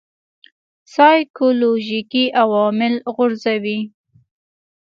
سایکولوژیکي عوامل غورځوي.